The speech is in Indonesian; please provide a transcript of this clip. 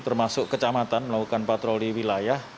termasuk kecamatan melakukan patroli wilayah